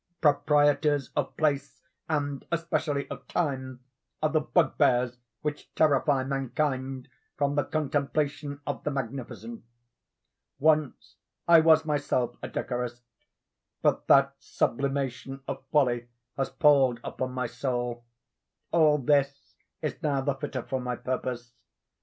Proprieties of place, and especially of time, are the bugbears which terrify mankind from the contemplation of the magnificent. Once I was myself a decorist; but that sublimation of folly has palled upon my soul. All this is now the fitter for my purpose.